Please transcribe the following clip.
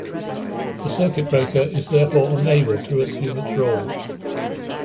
The circuit breaker is therefore unable to assume its role.